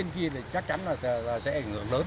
hôm kia thì chắc chắn là sẽ ảnh hưởng lớn